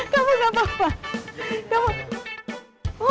kamu gak apa apa